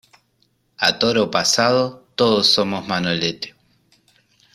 A toro pasado todos somos Manolete.